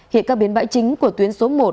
hiện các biến bãi chính của tuyến số một